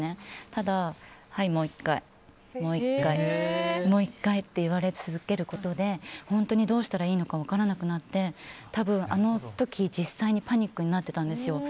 ただ、はいもう１回もう１回って言われ続けることで本当にどうしたらいいのか分からなくなって多分、あの時実際にパニックになってたんですよ。